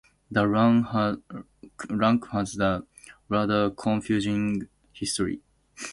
The rank has a rather confusing history.